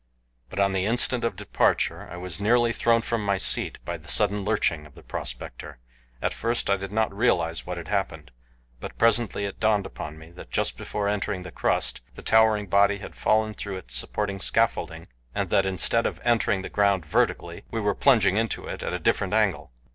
But on the instant of departure I was nearly thrown from my seat by the sudden lurching of the prospector. At first I did not realize what had happened, but presently it dawned upon me that just before entering the crust the towering body had fallen through its supporting scaffolding, and that instead of entering the ground vertically we were plunging into it at a different angle.